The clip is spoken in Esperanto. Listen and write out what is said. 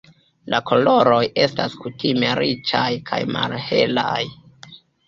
La koloroj estas kutime riĉaj kaj malhelaj.